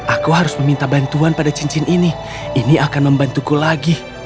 aku harus meminta bantuan pada cincin ini ini akan membantuku lagi